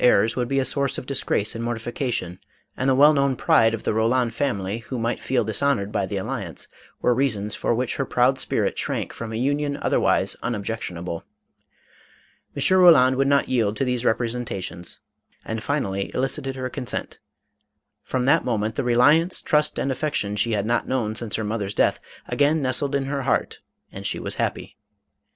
errors would be a source of disgrace and mortification, and the well known pride of the Roland family, who might feel dishonored by the alliance, were reasons for which her proud spirit shrank from a union otherwise unobjectionable. M. Roland would not yield to these representations and finally elicited her consent. From that moment the reliance, trust, and affection she had not known since her mother's death, again nestled in her heart and she was happy.